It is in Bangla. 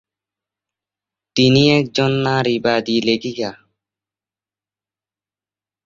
তিনি একজন নারীবাদী লেখিকা।